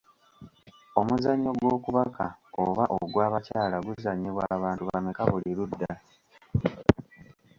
Omuzannyo gw'okubaka oba ogw’abakyala guzannyibwa abantu bameka buli ludda.?